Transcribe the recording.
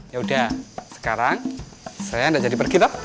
yaudah sekarang saya udah jadi pergitap